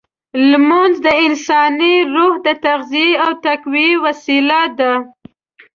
لمونځ د انساني روح د تغذیې او تقویې وسیله ده.